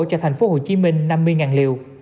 cho thành phố hồ chí minh năm mươi liều